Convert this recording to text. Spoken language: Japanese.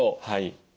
はい。